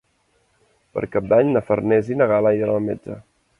Per Cap d'Any na Farners i na Gal·la iran al metge.